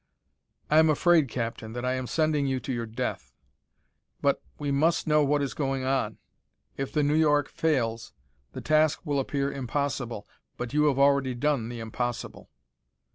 "I am afraid, Captain, that I am sending you to your death. But we must know what is going on. If the New York fails, the task will appear impossible, but you have already done the impossible."